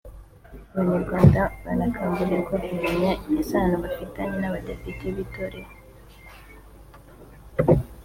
Abanyarwanda barakangurirwa kumenya isano bafitanye n’abadepite bitoreye